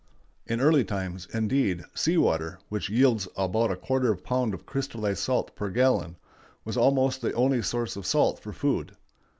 In early times, indeed, sea water, which yields about a quarter of a pound of crystallized salt per gallon, was almost the only source of salt for food.